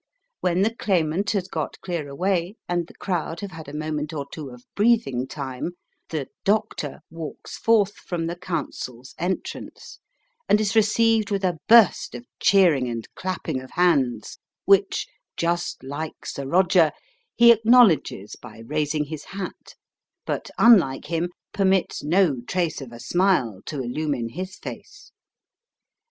When the Claimant has got clear away, and the crowd have had a moment or two of breathing time, the "Doctor" walks forth from the counsels' entrance, and is received with a burst of cheering and clapping of hands, which, "just like Sir Roger", he acknowledges by raising his hat, but, unlike him, permits no trace of a smile to illumine his face.